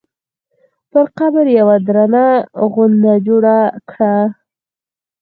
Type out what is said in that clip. پر قبر یوه درنه غونډه جوړه کړه.